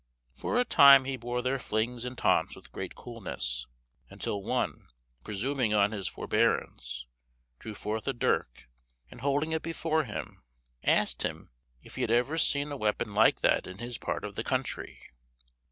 For a time he bore their flings and taunts with great coolness, until one, presuming on his forbearance, drew forth a dirk, and holding it before him, asked him if he had ever seen a weapon like that in his part of the country.